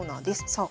さあ